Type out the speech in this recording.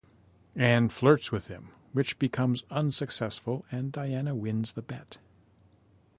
Anne flirts with him, which becomes unsuccessful, and Diana wins the bet.